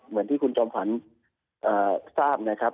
เหมือนที่คุณจอมขวัญทราบนะครับ